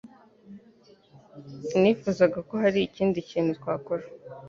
Nifuzaga ko hari ikindi kintu twakora.